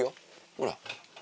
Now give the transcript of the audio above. ほら。